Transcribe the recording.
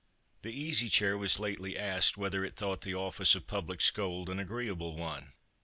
The Easy Chair was lately asked whether it thought the office of public scold an agreeable one.